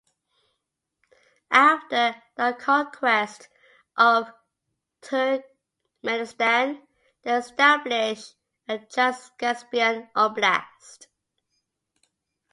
After the conquest of Turkmenistan they established a Transcaspian Oblast.